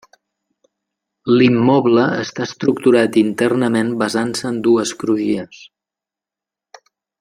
L'immoble està estructurat internament basant-se en dues crugies.